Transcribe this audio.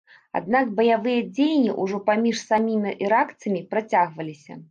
Аднак баявыя дзеянні, ужо паміж самімі іракцамі, працягваліся.